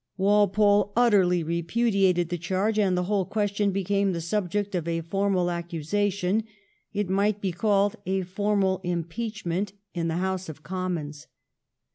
Walpole utterly repudiated the charge, and the whole ques tion became the subject of a formal accusation — it might be called a formal impeachment — in the House of Commons.